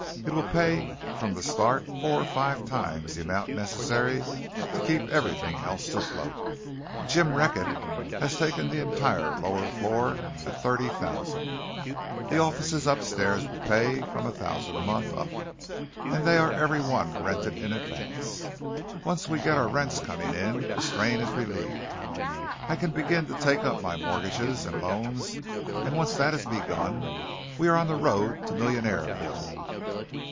It will pay from the start four or five times the amount necessary to keep everything else afloat. Jim Reckett has taken the entire lower floor at thirty thousand. The offices upstairs will pay from a thousand a month up and they are every one rented in advance. Once we get our rents coming in, the strain is relieved. I can begin to take up my mortgages and loans, and once that is begun we are on the road to Millionaireville."